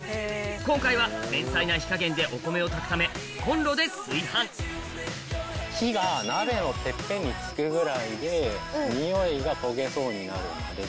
今回は繊細な火加減でお米を炊くためコンロで炊飯火が鍋のテッペンにつくぐらいで匂いが焦げそうになるまで。